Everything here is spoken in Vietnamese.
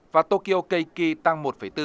và tokyo keiki tăng một bốn